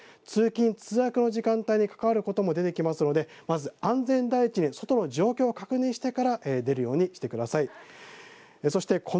通勤通学の時間帯に関わることも考えられますので安全第一に外の状況を確認してから出掛けるようにしてください。